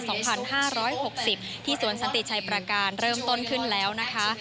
สองพันห้าร้อยหกสิบที่สวนสันติชัยประการเริ่มต้นขึ้นแล้วนะคะ